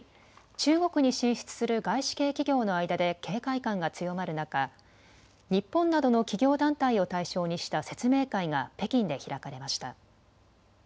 中国に進出する外資系企業の間で警戒感が強まる中、日本などの企業団体を対象にした説明会が北京で開かれました。